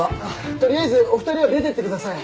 取りあえずお二人は出てってください。